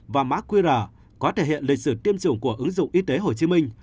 và markweera có thể hiện lịch sử tiêm chủng của ứng dụng y tế hồ chí minh